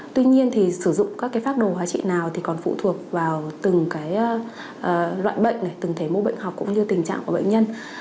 tuy nhiên thì sử dụng các phác đồ hóa trị nào thì còn phụ thuộc vào từng loại bệnh này từng thể mô bệnh học cũng như tình trạng của bệnh nhân